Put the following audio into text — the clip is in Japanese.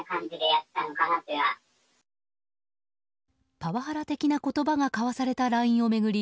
パワハラ的な言葉が交わされたＬＩＮＥを巡り